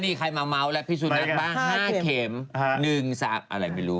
มีใครมาเม้าแล้วพี่สุดนัดบ้าง๕เข็ม๑สักอะไรไม่รู้